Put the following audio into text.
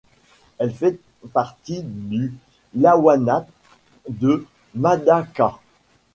Elle fait partie du lawanat de Madaka.